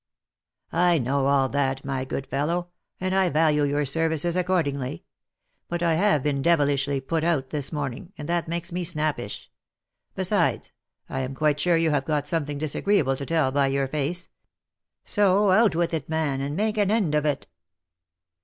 " I know all that, my good fellow, and I value your services accord ingly. But I have been devilishly put out this morning, and that makes me snappish ; besides, I am quite sure you have got something disagreeable to tell, by your face. So out with it, man, and make an end of it."